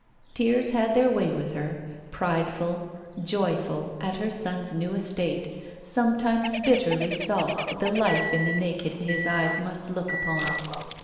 Tears had their way with her, prideful, joj^ul at her son's new estate, sometimes bitterly salt at the life in the naked his eyes must look upon.